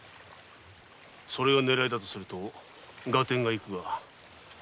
それが狙いだとすると合点がいくが。